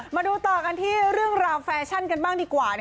มาดูต่อกันที่เรื่องราวแฟชั่นกันบ้างดีกว่า